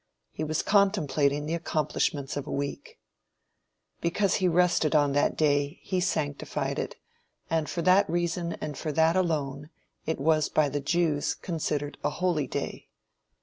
He was contemplating the accomplishments of a week. Because he rested on that day he sanctified it, and for that reason and for that alone, it was by the Jews considered a holy day.